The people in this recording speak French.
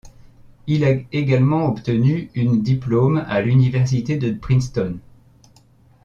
Il a également obtenu une diplôme à l'Université de Princeton.